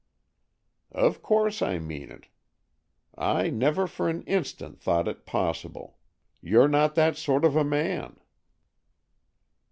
"Of course I mean it. I never for an instant thought it possible. You're not that sort of a man."